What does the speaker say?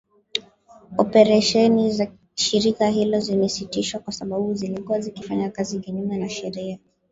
Operesheni za shirika hilo zimesitishwa kwa sababu zilikuwa zikifanya kazi kinyume cha sheria.